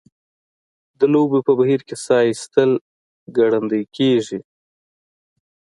د لوبو په بهیر کې ساه ایستل ګړندۍ کیږي.